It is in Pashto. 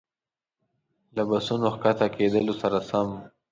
له بسونو ښکته کېدلو سره سم.